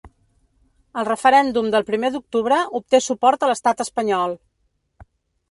El referèndum del primer d’octubre obté suport a l’estat espanyol.